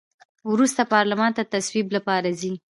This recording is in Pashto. وروسته پارلمان ته د تصویب لپاره ځي.